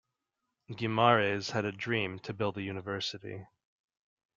Guimaraes had a dream to build a university.